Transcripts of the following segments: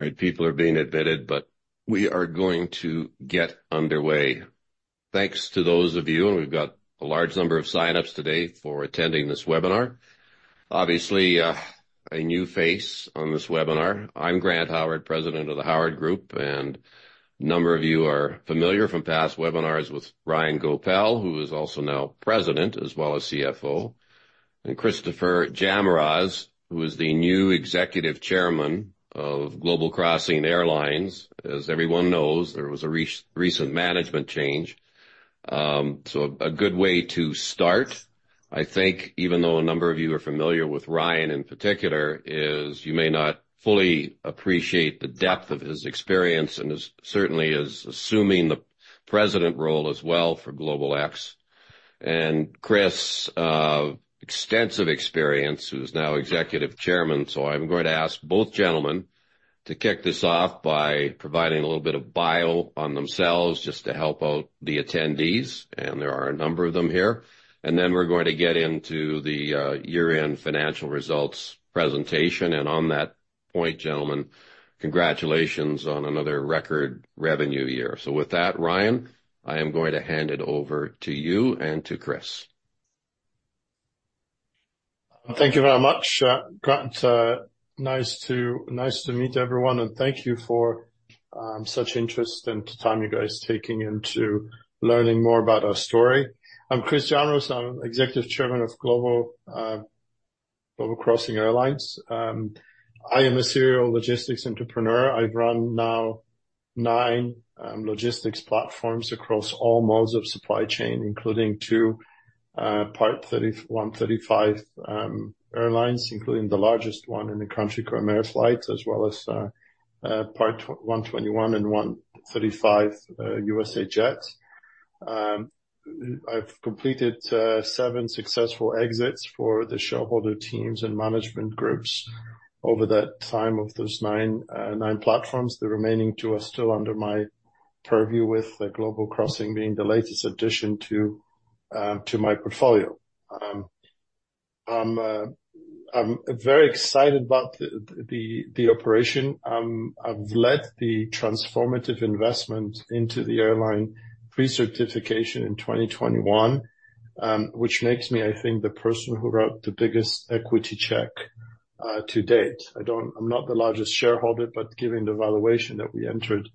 All right, people are being admitted, but we are going to get underway. Thanks to those of you, and we've got a large number of sign-ups today, for attending this webinar. Obviously, a new face on this webinar. I'm Grant Howard, President of the Howard Group, and a number of you are familiar from past webinars with Ryan Goepel, who is also now President as well as CFO, and Christopher Jamroz, who is the new Executive Chairman of Global Crossing Airlines. As everyone knows, there was a recent management change. So a good way to start, I think, even though a number of you are familiar with Ryan in particular, is you may not fully appreciate the depth of his experience and is, certainly is assuming the President role as well for Global X. And Chris, extensive experience, who's now Executive Chairman. I'm going to ask both gentlemen to kick this off by providing a little bit of bio on themselves, just to help out the attendees, and there are a number of them here. Then we're going to get into the year-end financial results presentation. On that point, gentlemen, congratulations on another record revenue year. With that, Ryan, I am going to hand it over to you and to Chris. Thank you very much, Grant. Nice to meet everyone, and thank you for such interest and the time you guys taking into learning more about our story. I'm Chris Jamroz. I'm Executive Chairman of Global Crossing Airlines. I am a serial logistics entrepreneur. I've run now 9 logistics platforms across all modes of supply chain, including 2 Part 135 airlines, including the largest one in the country, Ameriflight, as well as Part 121 and 135, USA Jet Airlines. I've completed 7 successful exits for the shareholder teams and management groups over that time of those 9 platforms. The remaining 2 are still under my purview, with Global Crossing being the latest addition to my portfolio. I'm very excited about the operation. I've led the transformative investment into the airline pre-certification in 2021, which makes me, I think, the person who wrote the biggest equity check to date. I don't. I'm not the largest shareholder, but given the valuation that we entered into,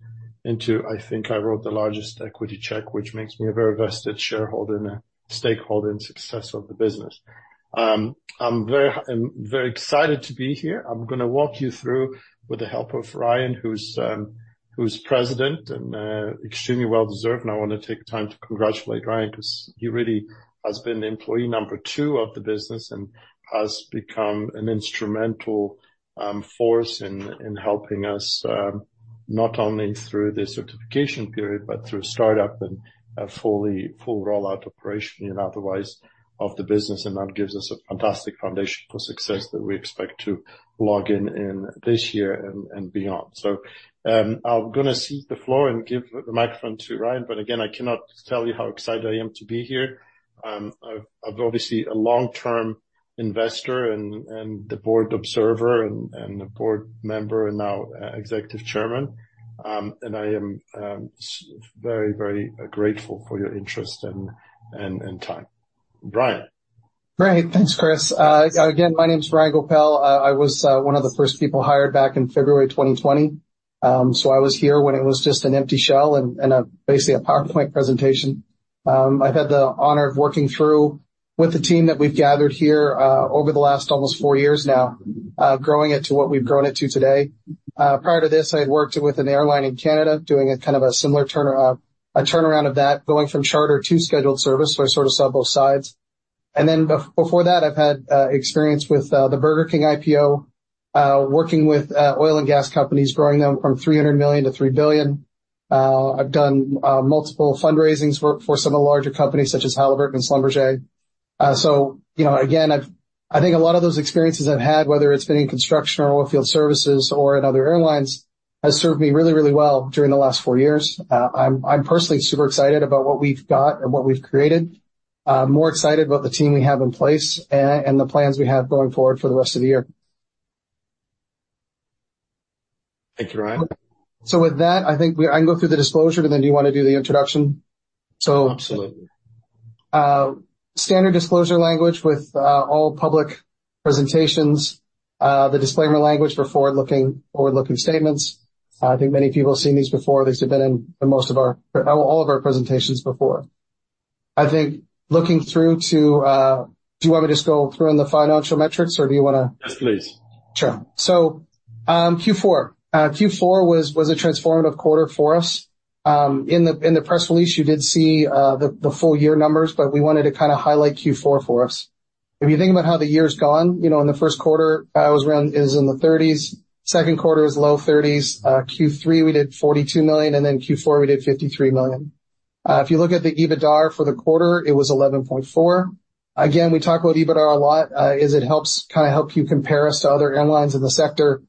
I think I wrote the largest equity check, which makes me a very vested shareholder and a stakeholder in success of the business. I'm very, I'm very excited to be here. I'm gonna walk you through, with the help of Ryan, who's, who's president and extremely well-deserved. I want to take time to congratulate Ryan, because he really has been employee number 2 of the business and has become an instrumental force in helping us not only through the certification period, but through startup and a fully full rollout operation and otherwise of the business. And that gives us a fantastic foundation for success that we expect to log in this year and beyond. So, I'm gonna cede the floor and give the microphone to Ryan, but again, I cannot tell you how excited I am to be here. I've obviously a long-term investor and the board observer and a board member and now Executive Chairman. And I am very, very grateful for your interest and time. Ryan? Great. Thanks, Chris. Again, my name is Ryan Goepel. I was one of the first people hired back in February 2020. So I was here when it was just an empty shell and basically a PowerPoint presentation. I've had the honor of working through with the team that we've gathered here over the last almost four years now, growing it to what we've grown it to today. Prior to this, I had worked with an airline in Canada, doing a kind of a similar turnaround of that, going from charter to scheduled service, so I sort of saw both sides. Before that, I've had experience with the Burger King IPO, working with oil and gas companies, growing them from $300 million to $3 billion. I've done multiple fundraisings for some of the larger companies, such as Halliburton and Schlumberger. So, you know, again, I think a lot of those experiences I've had, whether it's been in construction or oil field services or in other airlines, has served me really, really well during the last four years. I'm personally super excited about what we've got and what we've created, more excited about the team we have in place and the plans we have going forward for the rest of the year. Thank you, Ryan. So with that, I think I can go through the disclosure, and then do you want to do the introduction? So- Absolutely. Standard disclosure language with all public presentations, the disclaimer language for forward-looking, forward-looking statements. I think many people have seen these before. These have been in most of our, all of our presentations before. I think looking through to... Do you want me to just go through on the financial metrics, or do you wanna? Yes, please. Sure. So, Q4. Q4 was a transformative quarter for us. In the press release, you did see the full year numbers, but we wanted to kind of highlight Q4 for us. If you think about how the year's gone, you know, in the first quarter, it was around, it was in the 30s, second quarter was low 30s, Q3, we did $42 million, and then Q4, we did $53 million. If you look at the EBITDAR for the quarter, it was 11.4. Again, we talk about EBITDAR a lot, as it helps kind of help you compare us to other airlines in the sector.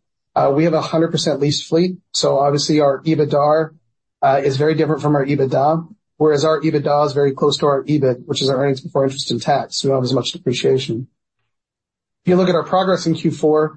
We have a 100% leased fleet, so obviously our EBITDAR is very different from our EBITDA, whereas our EBITDA is very close to our EBIT, which is our earnings before interest and tax. We don't have as much depreciation. If you look at our progress in Q4,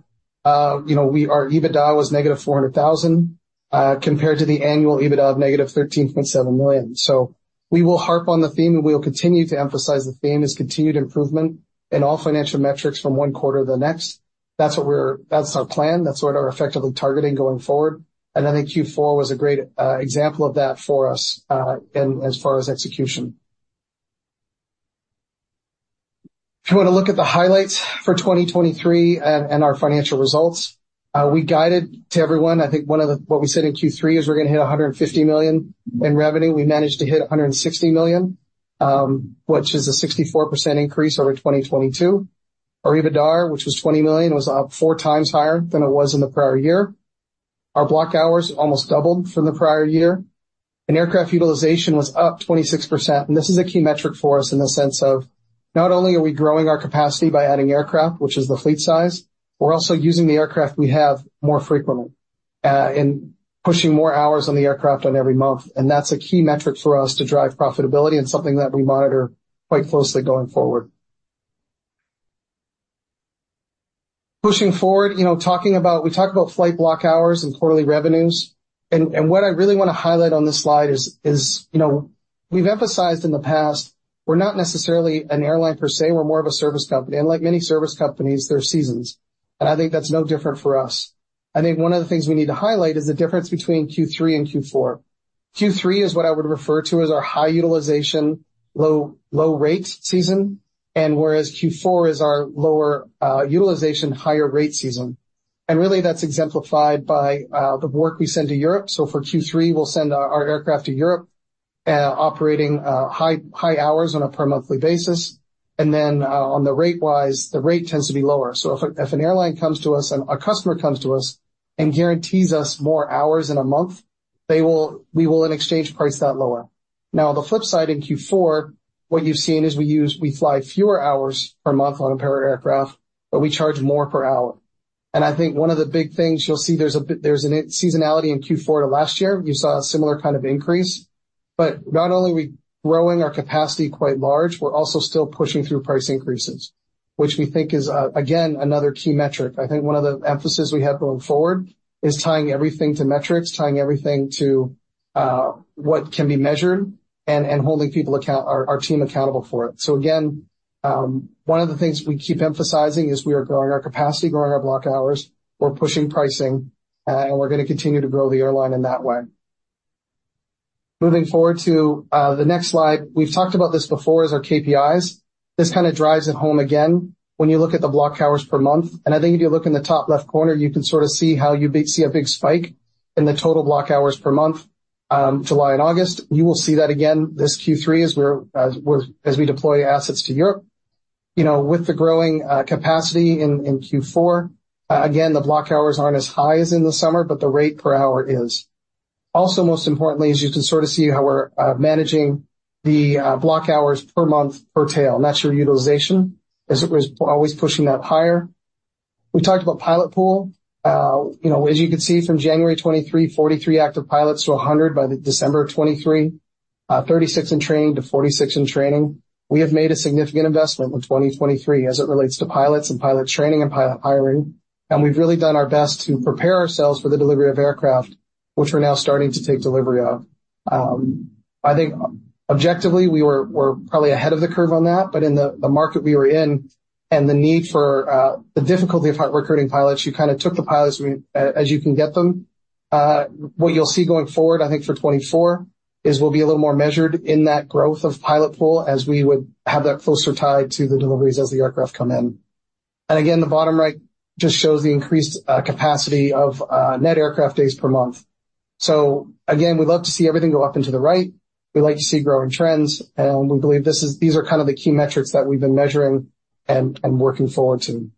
you know, our EBITDA was negative $400,000 compared to the annual EBITDA of negative $13.7 million. So we will harp on the theme, and we will continue to emphasize the theme as continued improvement in all financial metrics from one quarter to the next. That's what we're. That's our plan. That's what we're effectively targeting going forward, and I think Q4 was a great example of that for us in as far as execution. If you want to look at the highlights for 2023 and our financial results, we guided to everyone. I think one of the what we said in Q3 is we're gonna hit $150 million in revenue. We managed to hit $160 million, which is a 64% increase over 2022. Our EBITDA, which was $20 million, was up four times higher than it was in the prior year. Our block hours almost doubled from the prior year, and aircraft utilization was up 26%. This is a key metric for us in the sense of not only are we growing our capacity by adding aircraft, which is the fleet size, we're also using the aircraft we have more frequently, and pushing more hours on the aircraft on every month, and that's a key metric for us to drive profitability and something that we monitor quite closely going forward. Pushing forward, you know, talking about, we talked about flight block hours and quarterly revenues, and what I really want to highlight on this slide is, you know, we've emphasized in the past we're not necessarily an airline per se, we're more of a service company. Like many service companies, there are seasons, and I think that's no different for us. I think one of the things we need to highlight is the difference between Q3 and Q4. Q3 is what I would refer to as our high utilization, low, low rate season, and whereas Q4 is our lower utilization, higher rate season. Really, that's exemplified by the work we send to Europe. So for Q3, we'll send our aircraft to Europe, operating high, high hours on a per monthly basis, and then on the rate wise, the rate tends to be lower. So if an airline comes to us and a customer comes to us and guarantees us more hours in a month, we will, in exchange, price that lower. Now, on the flip side, in Q4, what you've seen is we fly fewer hours per month on a per aircraft, but we charge more per hour. I think one of the big things you'll see, there's seasonality in Q4 of last year, you saw a similar kind of increase, but not only are we growing our capacity quite large, we're also still pushing through price increases, which we think is, again, another key metric. I think one of the emphasis we have going forward is tying everything to metrics, tying everything to what can be measured and holding our team accountable for it. So again, one of the things we keep emphasizing is we are growing our capacity, growing our block hours, we're pushing pricing, and we're gonna continue to grow the airline in that way. Moving forward to the next slide. We've talked about this before as our KPIs. This kind of drives it home again, when you look at the block hours per month, and I think if you look in the top left corner, you can sort of see how you see a big spike in the total block hours per month, July and August. You will see that again, this Q3, as we're as we deploy assets to Europe. You know, with the growing capacity in Q4, again, the block hours aren't as high as in the summer, but the rate per hour is. Also, most importantly, is you can sort of see how we're managing the block hours per month per tail. That's your utilization, as it was always pushing that higher. We talked about pilot pool. You know, as you can see from January 2023, 43 active pilots to 100 by December 2023, 36 in training to 46 in training. We have made a significant investment with 2023 as it relates to pilots and pilot training and pilot hiring, and we've really done our best to prepare ourselves for the delivery of aircraft, which we're now starting to take delivery of. I think objectively, we're probably ahead of the curve on that, but in the market we were in and the need for the difficulty of recruiting pilots, you kind of took the pilots as you can get them. What you'll see going forward, I think for 2024, is we'll be a little more measured in that growth of pilot pool, as we would have that closer tied to the deliveries as the aircraft come in. And again, the bottom right just shows the increased capacity of net aircraft days per month. So again, we'd love to see everything go up and to the right. We like to see growing trends, and we believe this is—these are kind of the key metrics that we've been measuring and working forward to.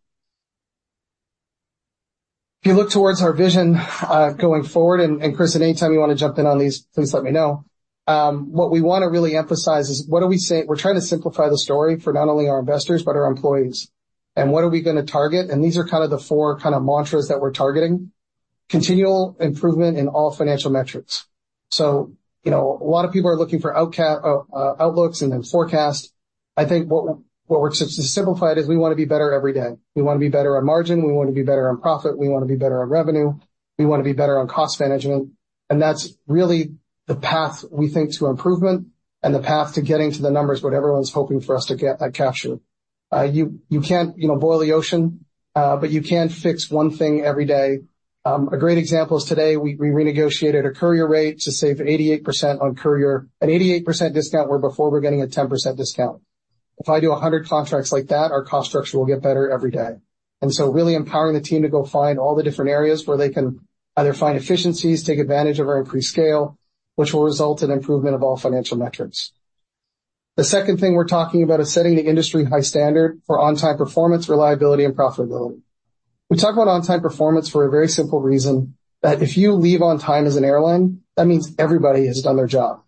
If you look towards our vision going forward, and Kristen, anytime you want to jump in on these, please let me know. What we want to really emphasize is, what do we say? We're trying to simplify the story for not only our investors, but our employees. What are we going to target? These are kind of the four kind of mantras that we're targeting. Continual improvement in all financial metrics. So, you know, a lot of people are looking for outlooks and then forecasts. I think what we, what we're simplified is we want to be better every day. We want to be better on margin, we want to be better on profit, we want to be better on revenue, we want to be better on cost management, and that's really the path we think to improvement and the path to getting to the numbers what everyone's hoping for us to get, capture. You, you can't, you know, boil the ocean, but you can fix one thing every day. A great example is today, we, we renegotiated a courier rate to save 88% on courier. An 88% discount, where before we're getting a 10% discount. If I do 100 contracts like that, our cost structure will get better every day. And so really empowering the team to go find all the different areas where they can either find efficiencies, take advantage of our increased scale, which will result in improvement of all financial metrics. The second thing we're talking about is setting the industry high standard for on-time performance, reliability, and profitability. We talk about on-time performance for a very simple reason, that if you leave on time as an airline, that means everybody has done their job.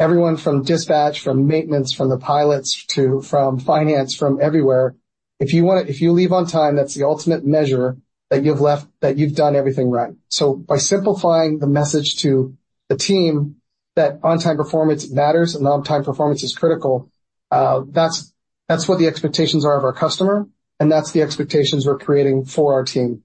Everyone from dispatch, from maintenance, from the pilots, to finance, from everywhere. If you leave on time, that's the ultimate measure that you've left, that you've done everything right. So by simplifying the message to the team-... That on-time performance matters and on-time performance is critical, that's, that's what the expectations are of our customer, and that's the expectations we're creating for our team.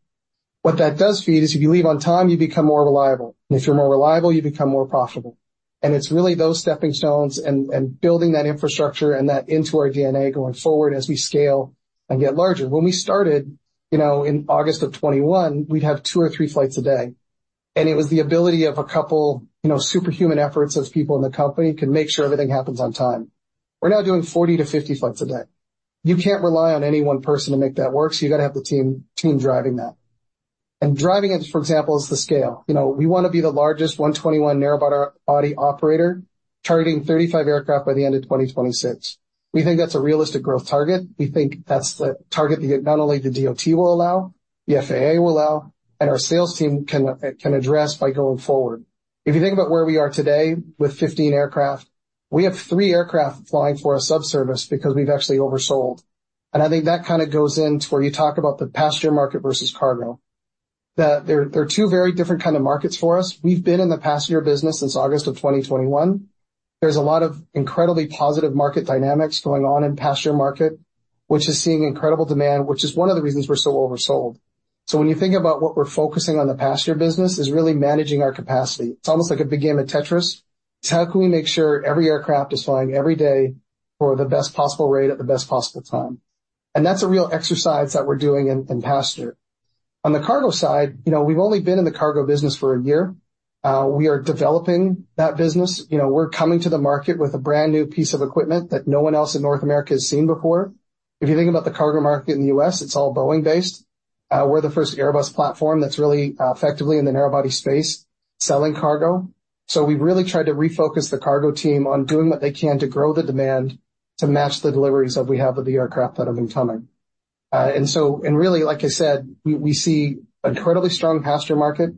What that does feed is if you leave on time, you become more reliable. And if you're more reliable, you become more profitable. And it's really those stepping stones and, and building that infrastructure and that into our DNA going forward as we scale and get larger. When we started, you know, in August of 2021, we'd have two or three flights a day, and it was the ability of a couple, you know, superhuman efforts as people in the company can make sure everything happens on time. We're now doing 40-50 flights a day. You can't rely on any one person to make that work, so you've got to have the team, team driving that. Driving it, for example, is the scale. You know, we want to be the largest A321 narrow-body operator, targeting 35 aircraft by the end of 2026. We think that's a realistic growth target. We think that's the target that not only the DOT will allow, the FAA will allow, and our sales team can, can address by going forward. If you think about where we are today with 15 aircraft, we have three aircraft flying for a subservice because we've actually oversold. And I think that kind of goes into where you talk about the passenger market versus cargo, that they're, they're two very different kind of markets for us. We've been in the passenger business since August of 2021. There's a lot of incredibly positive market dynamics going on in passenger market, which is seeing incredible demand, which is one of the reasons we're so oversold. So when you think about what we're focusing on, the passenger business, is really managing our capacity. It's almost like a big game of Tetris. It's how can we make sure every aircraft is flying every day for the best possible rate at the best possible time? And that's a real exercise that we're doing in passenger. On the cargo side, you know, we've only been in the cargo business for a year. We are developing that business. You know, we're coming to the market with a brand-new piece of equipment that no one else in North America has seen before. If you think about the cargo market in the U.S., it's all Boeing-based. We're the first Airbus platform that's really, effectively in the narrow-body space, selling cargo. So we really tried to refocus the cargo team on doing what they can to grow the demand to match the deliveries that we have of the aircraft that have been coming. And so and really, like I said, we, we see incredibly strong passenger market.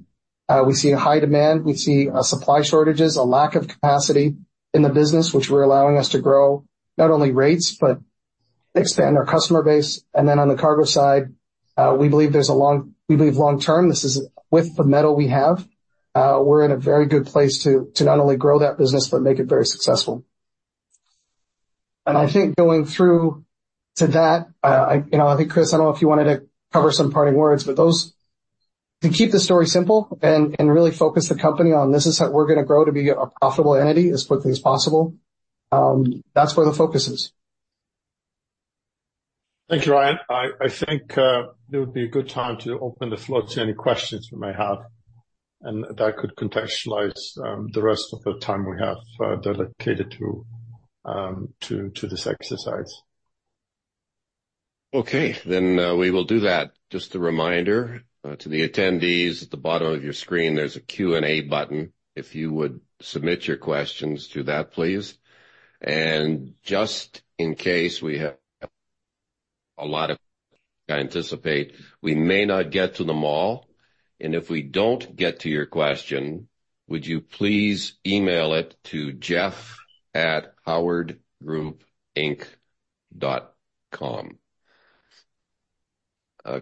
We see a high demand, we see, supply shortages, a lack of capacity in the business, which we're allowing us to grow not only rates, but expand our customer base. And then on the cargo side, we believe there's a long we believe long term, this is with the metal we have, we're in a very good place to, to not only grow that business, but make it very successful. And I think going through to that, you know, I think, Chris, I don't know if you wanted to cover some parting words, but those... To keep the story simple and really focus the company on this is how we're going to grow to be a profitable entity as quickly as possible, that's where the focus is. Thank you, Ryan. I think it would be a good time to open the floor to any questions you may have, and that could contextualize the rest of the time we have dedicated to this exercise. Okay, then, we will do that. Just a reminder, to the attendees, at the bottom of your screen, there's a Q&A button. If you would submit your questions to that, please. Just in case we have a lot of- I anticipate we may not get to them all, and if we don't get to your question, would you please email it to jeff@howardgroupinc.com.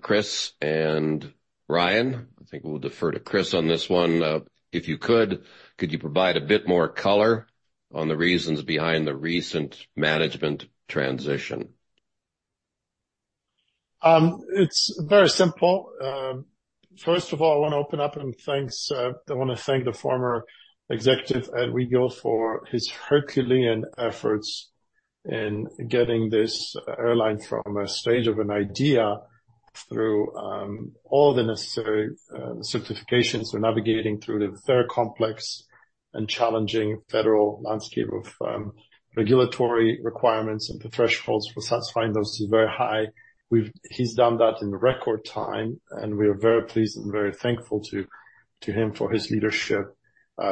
Chris and Ryan, I think we'll defer to Chris on this one. If you could, could you provide a bit more color on the reasons behind the recent management transition? It's very simple. First of all, I want to open up and thank the former executive, Ed Wegel, for his Herculean efforts in getting this airline from a stage of an idea through all the necessary certifications for navigating through the very complex and challenging federal landscape of regulatory requirements and the thresholds for satisfying those is very high. He's done that in record time, and we are very pleased and very thankful to him for his leadership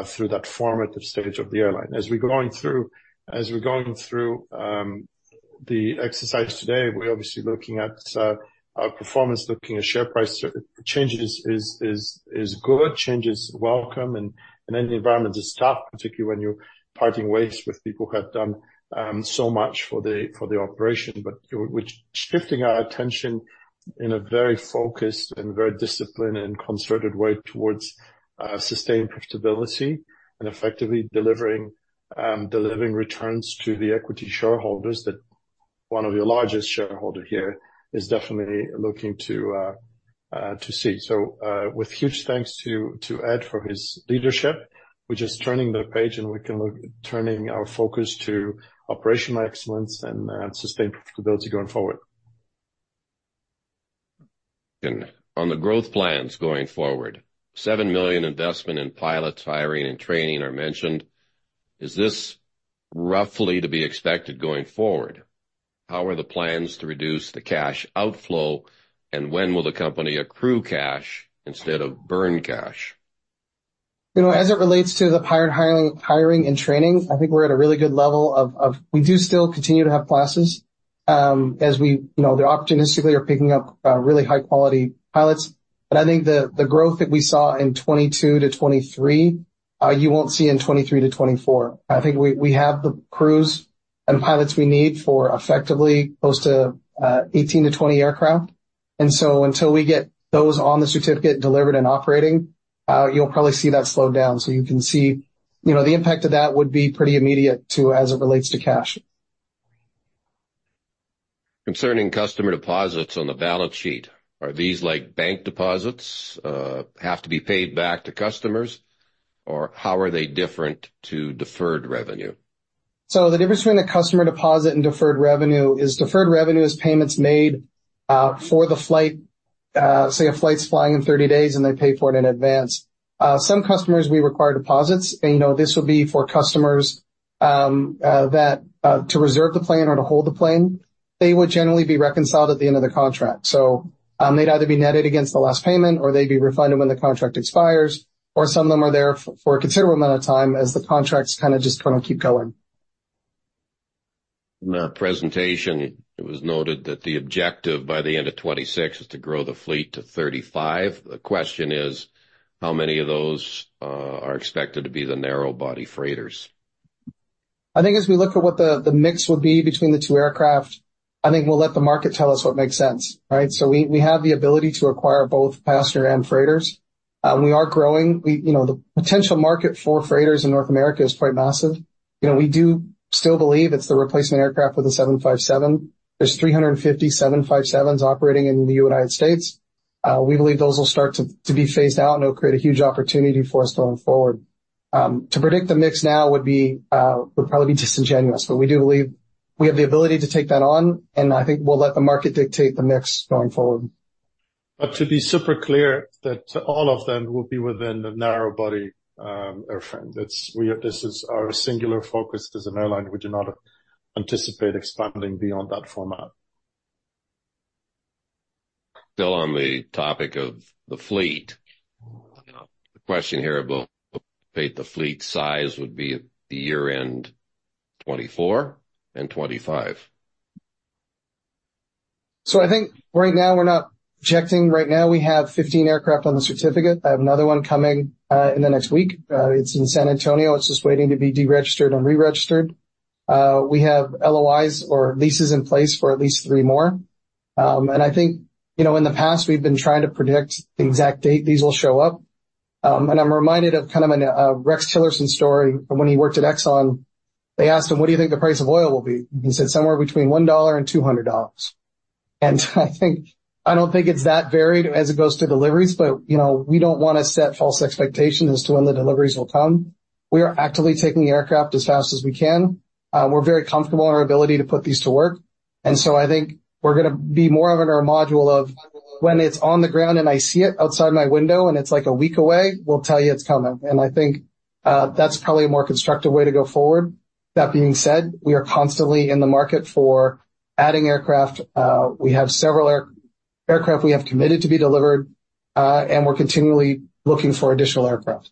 through that formative stage of the airline. As we're going through the exercise today, we're obviously looking at our performance, looking at share price. Change is good, change is welcome, and any environment is tough, particularly when you're parting ways with people who have done so much for the operation. But we're shifting our attention in a very focused and very disciplined and concerted way towards sustained profitability and effectively delivering returns to the equity shareholders, that one of your largest shareholder here is definitely looking to see. So, with huge thanks to Ed for his leadership, we're just turning the page, and we can look at turning our focus to operational excellence and sustainable profitability going forward. On the growth plans going forward, $7 million investment in pilot hiring and training are mentioned. Is this roughly to be expected going forward? How are the plans to reduce the cash outflow, and when will the company accrue cash instead of burn cash? You know, as it relates to the pilot hiring, hiring and training, I think we're at a really good level of... We do still continue to have classes, you know, they optimistically are picking up really high-quality pilots. But I think the growth that we saw in 2022 to 2023, you won't see in 2023 to 2024. I think we have the crews and pilots we need for effectively close to 18-20 aircraft... And so until we get those on the certificate delivered and operating, you'll probably see that slow down. So you can see, you know, the impact of that would be pretty immediate, too, as it relates to cash. Concerning customer deposits on the balance sheet, are these like bank deposits, have to be paid back to customers, or how are they different to deferred revenue? So the difference between a customer deposit and deferred revenue is, deferred revenue is payments made for the flight. Say, a flight's flying in 30 days, and they pay for it in advance. Some customers, we require deposits, and, you know, this would be for customers that to reserve the plane or to hold the plane. They would generally be reconciled at the end of the contract. So, they'd either be netted against the last payment, or they'd be refunded when the contract expires, or some of them are there for a considerable amount of time as the contracts kind of just kind of keep going. In the presentation, it was noted that the objective by the end of 2026 is to grow the fleet to 35. The question is, how many of those are expected to be the narrow-body freighters? I think as we look at what the mix will be between the two aircraft, I think we'll let the market tell us what makes sense, right? So we have the ability to acquire both passenger and freighters. We are growing. You know, the potential market for freighters in North America is quite massive. You know, we do still believe it's the replacement aircraft for the 757. There's 350 757s operating in the United States. We believe those will start to be phased out, and it'll create a huge opportunity for us going forward. To predict the mix now would probably be disingenuous, but we do believe we have the ability to take that on, and I think we'll let the market dictate the mix going forward. But to be super clear, that all of them will be within the narrow-body airframe. That's our singular focus as an airline. We do not anticipate expanding beyond that format. Still on the topic of the fleet, the question here about the fleet size would be the year-end 2024 and 2025. So I think right now, we're not projecting. Right now, we have 15 aircraft on the certificate. I have another one coming in the next week. It's in San Antonio. It's just waiting to be deregistered and reregistered. We have LOIs or leases in place for at least three more. And I think, you know, in the past, we've been trying to predict the exact date these will show up. And I'm reminded of kind of a Rex Tillerson story from when he worked at Exxon. They asked him, "What do you think the price of oil will be?" He said, "Somewhere between $1 and $200." And I think, I don't think it's that varied as it goes to deliveries, but, you know, we don't want to set false expectations as to when the deliveries will come. We are actively taking aircraft as fast as we can. We're very comfortable in our ability to put these to work, and so I think we're gonna be more of in a mode of when it's on the ground, and I see it outside my window, and it's, like, a week away, we'll tell you it's coming. I think that's probably a more constructive way to go forward. That being said, we are constantly in the market for adding aircraft. We have several aircraft we have committed to be delivered, and we're continually looking for additional aircraft.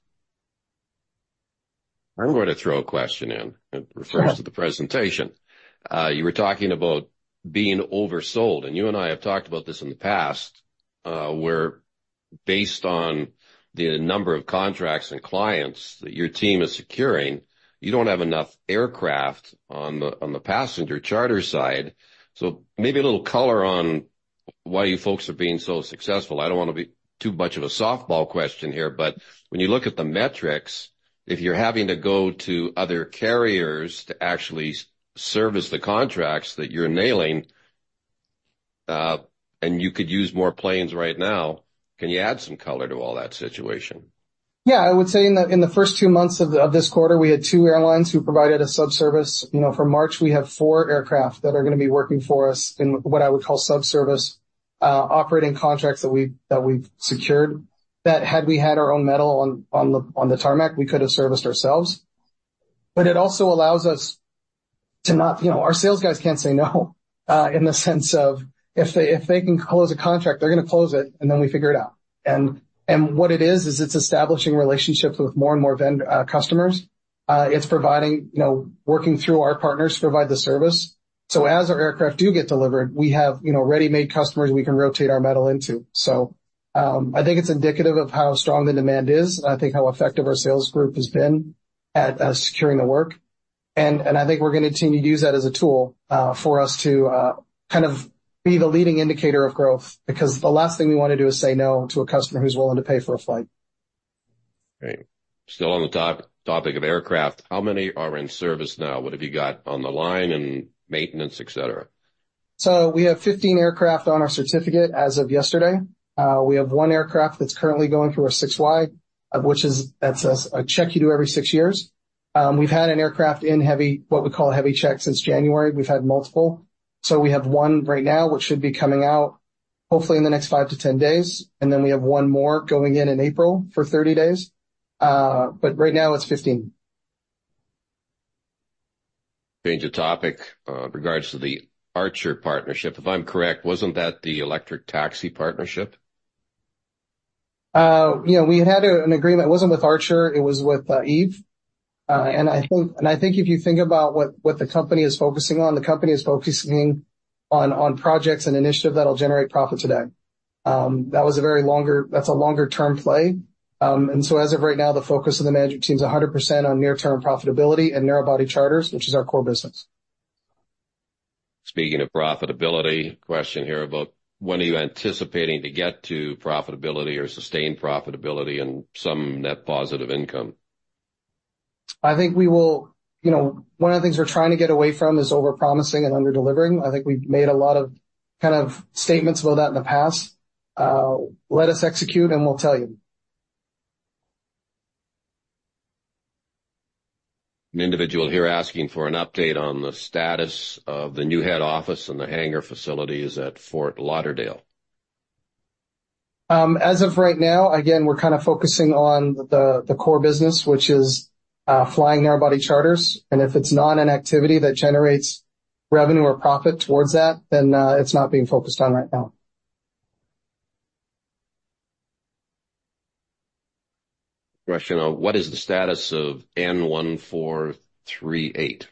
I'm going to throw a question in. Sure. It refers to the presentation. You were talking about being oversold, and you and I have talked about this in the past, where based on the number of contracts and clients that your team is securing, you don't have enough aircraft on the passenger charter side. So maybe a little color on why you folks are being so successful. I don't want to be too much of a softball question here, but when you look at the metrics, if you're having to go to other carriers to actually service the contracts that you're nailing, and you could use more planes right now, can you add some color to all that situation? Yeah, I would say in the first two months of this quarter, we had two airlines who provided a subservice. You know, for March, we have four aircraft that are gonna be working for us in what I would call subservice operating contracts that we've secured, that, had we had our own metal on the tarmac, we could have serviced ourselves. But it also allows us to not. You know, our sales guys can't say no in the sense of if they can close a contract, they're gonna close it, and then we figure it out. And what it is, is it's establishing relationships with more and more customers. It's providing. You know, working through our partners to provide the service. So as our aircraft do get delivered, we have, you know, ready-made customers we can rotate our metal into. So, I think it's indicative of how strong the demand is, and I think how effective our sales group has been at securing the work. And I think we're gonna continue to use that as a tool for us to kind of be the leading indicator of growth. Because the last thing we want to do is say no to a customer who's willing to pay for a flight. Great. Still on the top topic of aircraft, how many are in service now? What have you got on the line and maintenance, et cetera? So we have 15 aircraft on our certificate as of yesterday. We have one aircraft that's currently going through a 6Y, that's a check you do every 6 years. We've had an aircraft in Heavy, what we call a heavy Check, since January. We've had multiple. So we have one right now, which should be coming out hopefully in the next 5-10 days, and then we have one more going in in April for 30 days. But right now, it's 15. Change of topic. In regards to the Archer partnership, if I'm correct, wasn't that the electric taxi partnership? Yeah, we had an agreement. It wasn't with Archer, it was with Eve. And I think if you think about what the company is focusing on, the company is focusing on projects and initiatives that'll generate profit today. That's a longer-term play. And so as of right now, the focus of the management team is 100% on near-term profitability and narrow-body charters, which is our core business.... Speaking of profitability, question here about when are you anticipating to get to profitability or sustained profitability and some net positive income? I think we will, you know, one of the things we're trying to get away from is over-promising and under-delivering. I think we've made a lot of, kind of, statements about that in the past. Let us execute, and we'll tell you. An individual here asking for an update on the status of the new head office and the hangar facilities at Fort Lauderdale. As of right now, again, we're kind of focusing on the, the core business, which is flying narrow-body charters. And if it's not an activity that generates revenue or profit towards that, then it's not being focused on right now. Question, what is the status of N1438?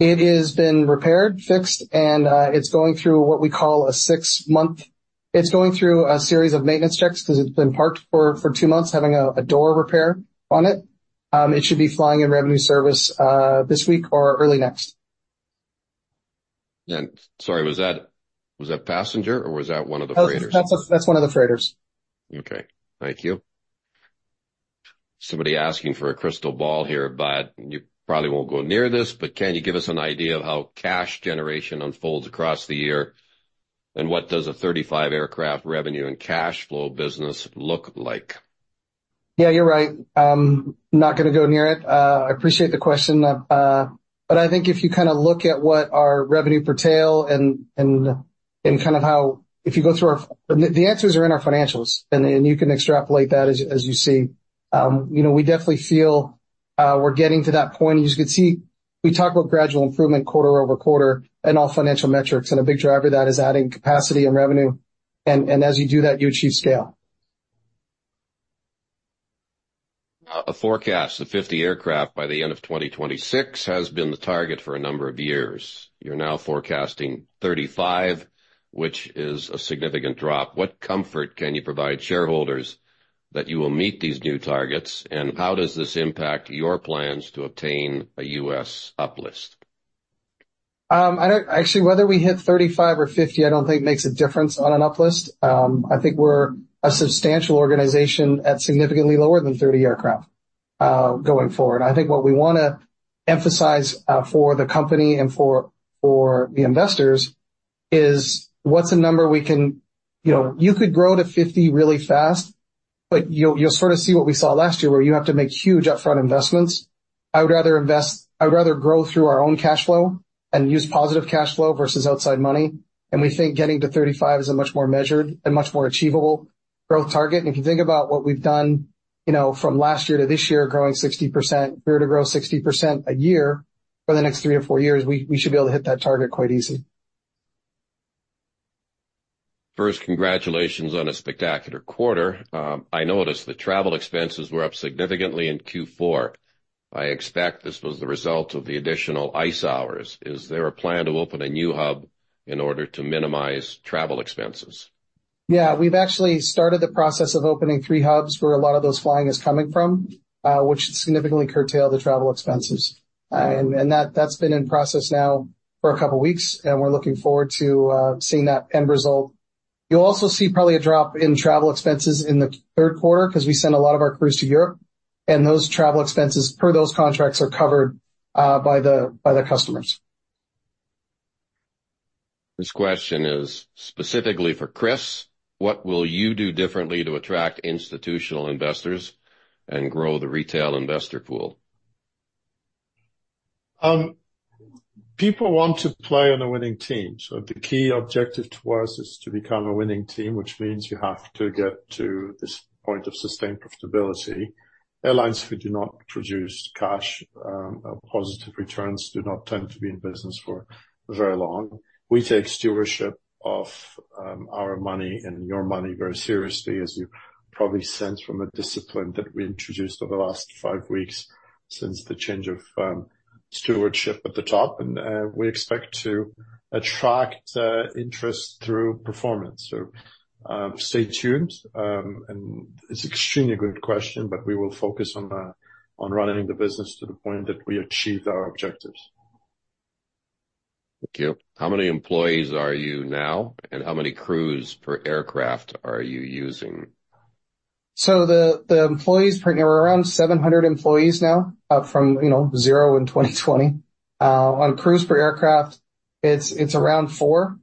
It has been repaired, fixed, and it's going through a series of maintenance checks, because it's been parked for 2 months, having a door repair on it. It should be flying in revenue service this week or early next. Sorry, was that passenger, or was that one of the freighters? That's one of the freighters. Okay, thank you. Somebody asking for a crystal ball here, but you probably won't go near this, but can you give us an idea of how cash generation unfolds across the year, and what does a 35-aircraft revenue and cash flow business look like? Yeah, you're right. Not gonna go near it. I appreciate the question. But I think if you kind of look at what our revenue per tail and, and, and kind of how... If you go through our- The, the answers are in our financials, and, and you can extrapolate that as, as you see. You know, we definitely feel we're getting to that point. As you can see, we talk about gradual improvement quarter-over-quarter in all financial metrics, and a big driver of that is adding capacity and revenue, and, and as you do that, you achieve scale. A forecast of 50 aircraft by the end of 2026 has been the target for a number of years. You're now forecasting 35, which is a significant drop. What comfort can you provide shareholders that you will meet these new targets, and how does this impact your plans to obtain a U.S. uplist? Actually, whether we hit 35 or 50, I don't think makes a difference on an uplist. I think we're a substantial organization at significantly lower than 30 aircraft, going forward. I think what we wanna emphasize, for the company and for, for the investors is, what's a number we can... You know, you could grow to 50 really fast, but you'll, you'll sort of see what we saw last year, where you have to make huge upfront investments. I would rather grow through our own cash flow and use positive cash flow versus outside money, and we think getting to 35 is a much more measured and much more achievable growth target. If you think about what we've done, you know, from last year to this year, growing 60%, if we were to grow 60% a year for the next three or four years, we should be able to hit that target quite easy. First, congratulations on a spectacular quarter. I noticed the travel expenses were up significantly in Q4. I expect this was the result of the additional ICE hours. Is there a plan to open a new hub in order to minimize travel expenses? Yeah, we've actually started the process of opening three hubs, where a lot of those flying is coming from, which should significantly curtail the travel expenses. And that, that's been in process now for a couple weeks, and we're looking forward to seeing that end result. You'll also see probably a drop in travel expenses in the third quarter, 'cause we send a lot of our crews to Europe, and those travel expenses per those contracts are covered by the customers. This question is specifically for Chris: What will you do differently to attract institutional investors and grow the retail investor pool? People want to play on a winning team, so the key objective to us is to become a winning team, which means you have to get to this point of sustained profitability. Airlines who do not produce cash, positive returns do not tend to be in business for very long. We take stewardship of our money and your money very seriously, as you've probably sensed from the discipline that we introduced over the last five weeks, since the change of stewardship at the top, and we expect to attract interest through performance. So, stay tuned. And it's extremely good question, but we will focus on running the business to the point that we achieved our objectives. Thank you. How many employees are you now, and how many crews per aircraft are you using? So the employees, we're around 700 employees now, up from, you know, 0 in 2020. On crews per aircraft, it's around 4,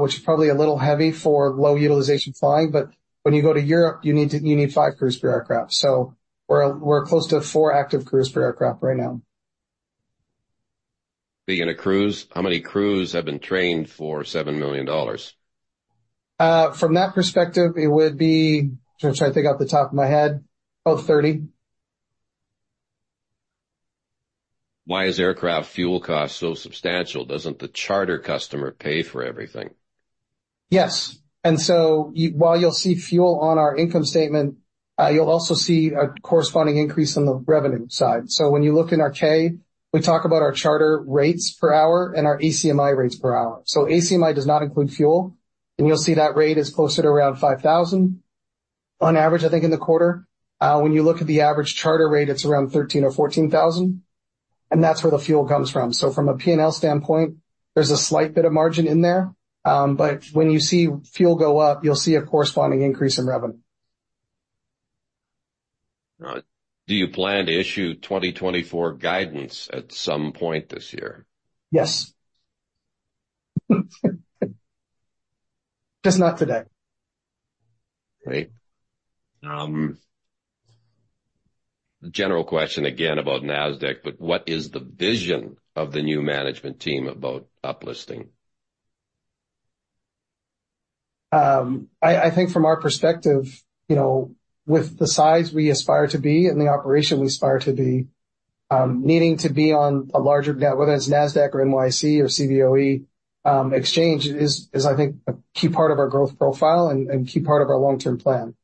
which is probably a little heavy for low-utilization flying, but when you go to Europe, you need 5 crews per aircraft. So we're close to 4 active crews per aircraft right now. Speaking of crews, how many crews have been trained for $7 million? From that perspective, it would be... I'm trying to think off the top of my head, about 30. Why is aircraft fuel cost so substantial? Doesn't the charter customer pay for everything? Yes, and so while you'll see fuel on our income statement, you'll also see a corresponding increase on the revenue side. So when you look in our K, we talk about our charter rates per hour and our ACMI rates per hour. So ACMI does not include fuel, and you'll see that rate is closer to around $5,000. On average, I think in the quarter, when you look at the average charter rate, it's around $13,000 or $14,000, and that's where the fuel comes from. So from a P&L standpoint, there's a slight bit of margin in there, but when you see fuel go up, you'll see a corresponding increase in revenue. All right. Do you plan to issue 2024 guidance at some point this year? Yes. Just not today. Great. General question again about Nasdaq, but what is the vision of the new management team about up-listing? I think from our perspective, you know, with the size we aspire to be and the operation we aspire to be, needing to be on a larger, whether it's Nasdaq or NYSE or Cboe, exchange is, I think, a key part of our growth profile and key part of our long-term plan.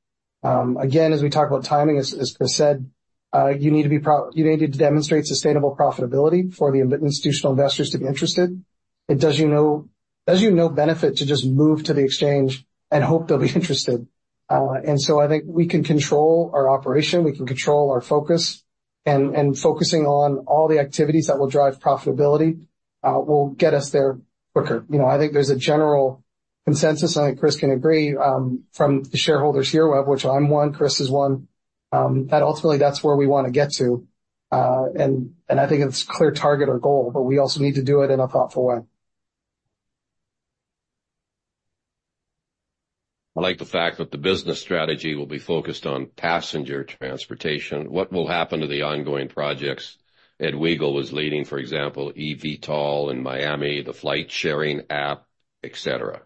Again, as we talk about timing, as Chris said, you need to demonstrate sustainable profitability for the institutional investors to be interested. It does you no benefit to just move to the exchange and hope they'll be interested. And so I think we can control our operation, we can control our focus, and focusing on all the activities that will drive profitability will get us there quicker. You know, I think there's a general consensus, and I think Chris can agree, from the shareholders here, of which I'm one, Chris is one, that ultimately, that's where we want to get to. And, and I think it's a clear target or goal, but we also need to do it in a thoughtful way. I like the fact that the business strategy will be focused on passenger transportation. What will happen to the ongoing projects Ed Wegel was leading, for example, eVTOL in Miami, the flight-sharing app, et cetera?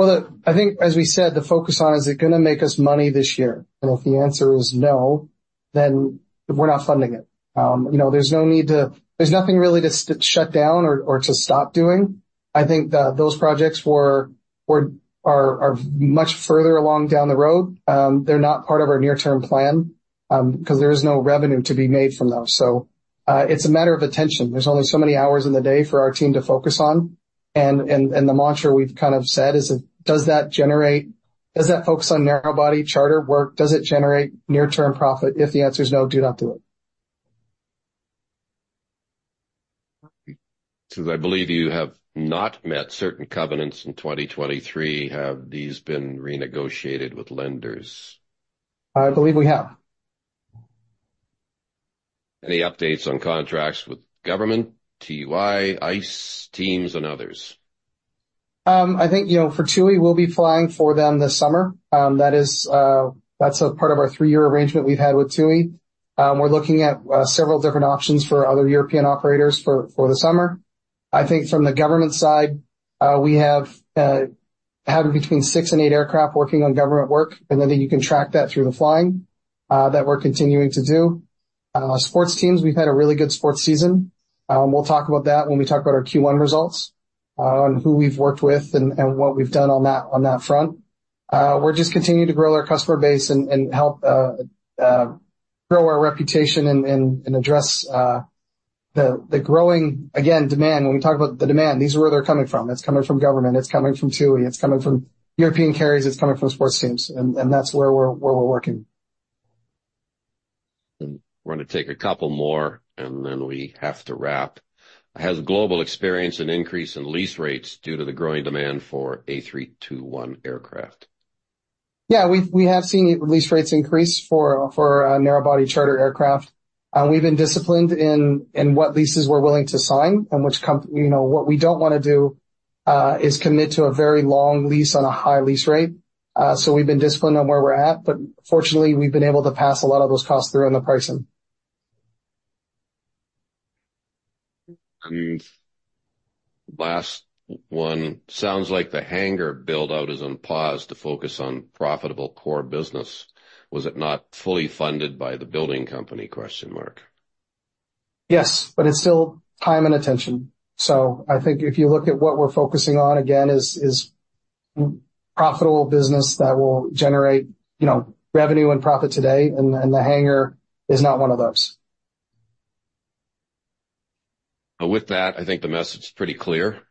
Well, I think, as we said, the focus on, is it gonna make us money this year? And if the answer is no, then we're not funding it. You know, there's no need to—there's nothing really to shut down or to stop doing. I think those projects are much further along down the road. They're not part of our near-term plan, because there is no revenue to be made from those. So, it's a matter of attention. There's only so many hours in the day for our team to focus on, and the mantra we've kind of said is that, does that focus on narrow-body charter work? Does it generate near-term profit? If the answer is no, do not do it. I believe you have not met certain covenants in 2023. Have these been renegotiated with lenders? I believe we have. Any updates on contracts with government, TUI, ICE, teams, and others? I think, you know, for TUI, we'll be flying for them this summer. That is, that's a part of our three-year arrangement we've had with TUI. We're looking at several different options for other European operators for the summer. I think from the government side, we have between six and eight aircraft working on government work, and then you can track that through the flying that we're continuing to do. Sports teams, we've had a really good sports season. We'll talk about that when we talk about our Q1 results, on who we've worked with and what we've done on that front. We're just continuing to grow our customer base and help grow our reputation and address the growing demand. When we talk about the demand, these are where they're coming from. It's coming from government, it's coming from TUI, it's coming from European carriers, it's coming from sports teams, and that's where we're working. We're gonna take a couple more, and then we have to wrap. Has Global experienced an increase in lease rates due to the growing demand for A321 aircraft? Yeah, we have seen lease rates increase for narrow-body charter aircraft. We've been disciplined in what leases we're willing to sign. You know, what we don't want to do is commit to a very long lease on a high lease rate. So we've been disciplined on where we're at, but fortunately, we've been able to pass a lot of those costs through on the pricing. Last one. Sounds like the hangar build-out is on pause to focus on profitable core business. Was it not fully funded by the building company? Yes, but it's still time and attention. So I think if you look at what we're focusing on, again, is profitable business that will generate, you know, revenue and profit today, and the hangar is not one of those. With that, I think the message is pretty clear: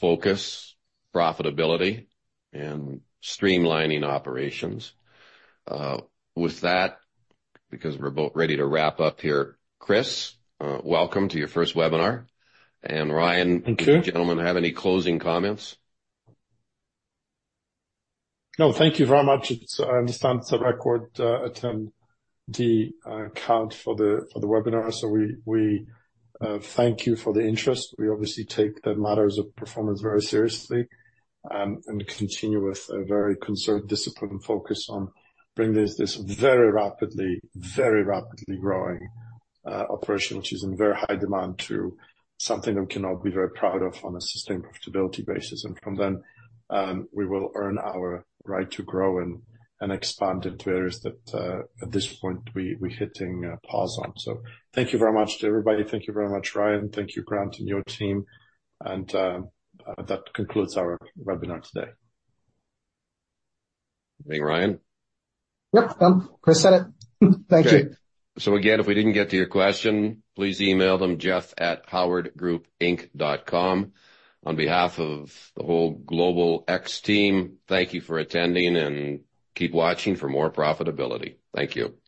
Focus, profitability, and streamlining operations. With that, because we're about ready to wrap up here, Chris, welcome to your first webinar, and Ryan- Thank you. Do you gentlemen have any closing comments? No, thank you very much. I understand it's a record attendee count for the webinar, so we thank you for the interest. We obviously take the matters of performance very seriously and continue with a very concerned, disciplined focus on bringing this very rapidly growing operation, which is in very high demand, to something that we can all be very proud of on a sustained profitability basis. And from then, we will earn our right to grow and expand into areas that at this point we're hitting pause on. So thank you very much to everybody. Thank you very much, Ryan. Thank you, Grant, and your team, and that concludes our webinar today. Anything, Ryan? Yep, Chris said it. Thank you. Okay. So again, if we didn't get to your question, please email them, Jeff@howardgroupinc.com. On behalf of the whole Global X team, thank you for attending, and keep watching for more profitability. Thank you.